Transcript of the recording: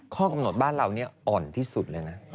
ข้อกำหนดบ้านเรานี่อ่อนที่สุดเลยนะ